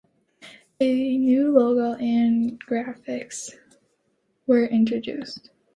A new logo and graphics were introduced.